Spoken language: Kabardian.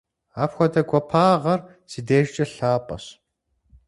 Апхуэдэ гуапагъэр си дежкӀэ лъапӀэщ.